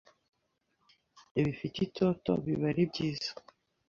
bigifite itoto biba ari byiza